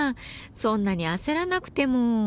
そんなに焦らなくても。